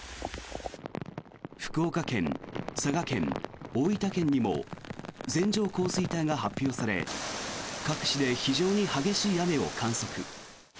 福岡県、佐賀県、大分県にも線状降水帯が発表され各地で非常に激しい雨を観測。